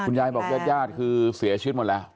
คุณยายบอกว่ายาดคือเสียชื่นหมดแล้ว